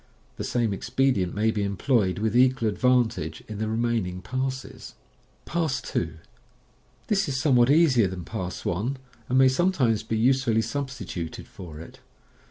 The same expedient may be employed with equal advantage in the remaining parses. Pass 2. — This is somewhat easier than Pass 1, and may some times be usefully substituted for it.